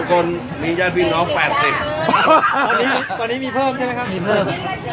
คนมีญาติพี่น้อง๘๐ตอนนี้มีเพิ่มใช่ไหมครับมีเพิ่ม